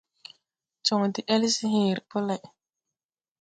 Jɔŋ de-ɛl se hẽẽre ɓɔ lay.